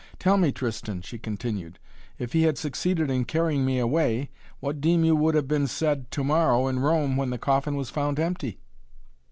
Tell me, Tristan," she continued, "if he had succeeded in carrying me away, what deem you would have been said to morrow in Rome when the coffin was found empty?"